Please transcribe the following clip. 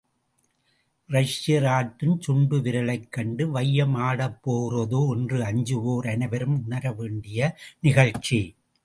இரஷியர் ஆட்டும் சுண்டு விரல் கண்டு வையம் ஆடப் போகிறதோ என்று அஞ்சுவோர் அனைவரும் உணர வேண்டிய நிகழ்ச்சி.